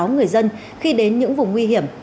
người dân khi đến những vùng nguy hiểm